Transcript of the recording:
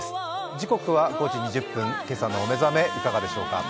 時刻は５時２０分、今朝のお目覚めいかがでしょうか。